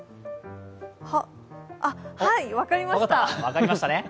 はい、分かりました。